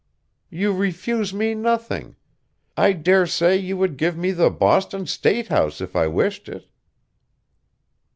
"You refuse me nothing. I dare say you would give me the Boston State House if I wished it."